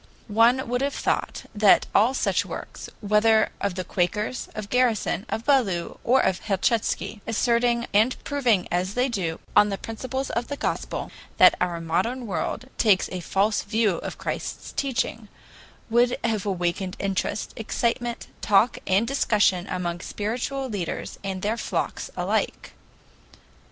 One would have thought that all such works, whether of the Quakers, of Garrison, of Ballou, or of Helchitsky, asserting and proving as they do, on the principles of the Gospel, that our modern world takes a false view of Christ's teaching, would have awakened interest, excitement, talk, and discussion among spiritual teachers and their flocks alike.